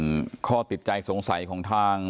ส่วนข้อติดใจสงสัยของท่าน